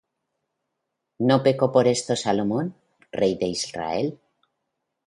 ¿No pecó por esto Salomón, rey de Israel?